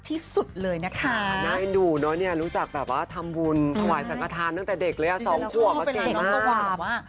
ที่ฉันชอบเป็นลายข้อบอกว่า